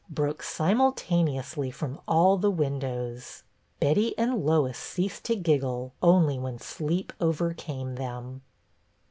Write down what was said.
" broke simultaneously from all the windows. Betty and Lois ceased to giggle only when sleep overcame them.